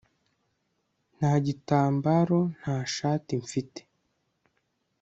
Nta gitambaro nta shati mfite